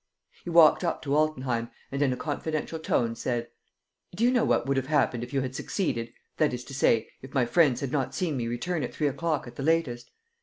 He walked up to Altenheim and, in a confidential tone, said: "Do you know what would have happened if you had succeeded, that is to say, if my friends had not seen me return at three o'clock at the latest?